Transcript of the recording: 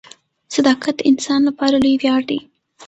• صداقت د انسان لپاره لوی ویاړ دی.